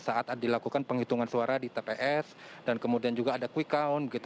saat dilakukan penghitungan suara di tps dan kemudian juga ada quick count